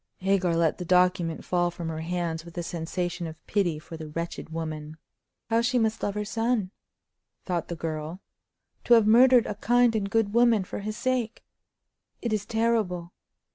Hagar let the document fall from her hands with a sensation of pity for the wretched woman. "How she must love her son," thought the girl, "to have murdered a kind and good woman for his sake! It is terrible!